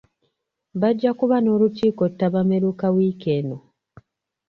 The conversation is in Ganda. Bajja kuba n'olukiiko ttabamiruka wiiki eno.